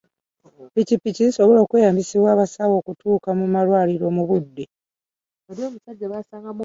Ppikippiki zisobola okweyambisibwa abasawo okutuuka ku malwaliro mu budde.